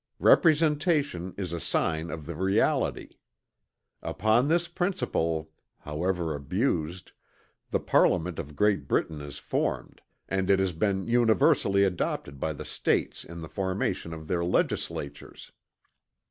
"Representation is a sign of the reality. Upon this principle, however abused, the Parliament of Great Britain is formed, and it has been universally adopted by the States in the formation of their legislatures."